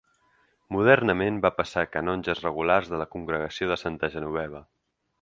Modernament va passar a canonges regulars de la congregació de Santa Genoveva.